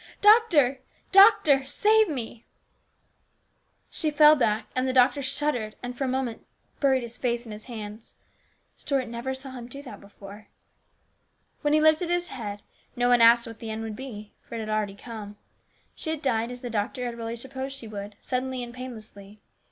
Doctor ! doctor ! save me !" She fell back, and the doctor shuddered and for a STEWARDSHIP. 317 second buried his face in his hands. Stuart never saw him do that before. When he lifted his head, no one asked what the end would be, for it had already come. She had died, as the doctor had really supposed she would, suddenly and painlessly.